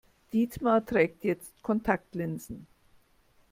Dietmar trägt jetzt Kontaktlinsen.